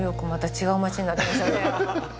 違う街になってましたね。